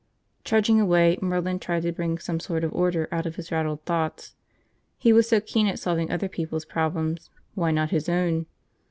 Trudging away, Merlin tried to bring some sort of order out of his rattled thoughts. He was so keen at solving other people's problems, why not his own?